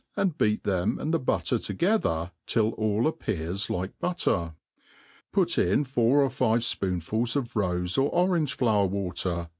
and iseftt them and the butter together till all s^pears like, butter. Put ifi four or fiv^e ff)i09iifuli of i'ofe lOr otraage flawer vi^ater